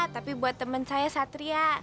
tapi buat temen saya satria